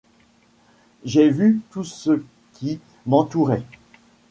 J'ai vu tout ce qui m'entourait.